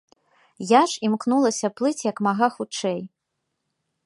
Я ж імкнулася плыць як мага хутчэй.